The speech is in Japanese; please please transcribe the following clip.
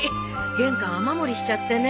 玄関雨漏りしちゃってね。